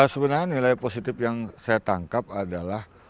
sebenarnya nilai positif yang saya tangkap adalah